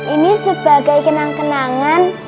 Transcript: ini sebagai kenang kenangan